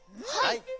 はい！